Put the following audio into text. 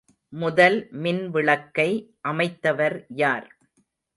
முதல் மின்விளக்கை அமைத்தவர் யார்?